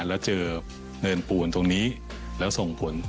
แล้วเจอเนินป่วนตรงนี้แล้วส่งผล